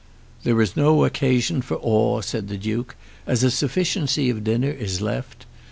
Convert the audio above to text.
"There is no occasion for awe," said the Duke, "as a sufficiency of dinner is left.